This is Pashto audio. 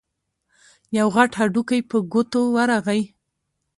يو غټ هډوکی په ګوتو ورغی.